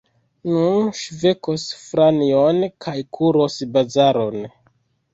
Nun ŝi vekos Franjon kaj kuros bazaron.